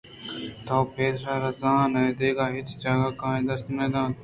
توئے پس ءَ را زاناں دگہ ہچ جاگہ ءَ کاہ ءَ دست نہ دات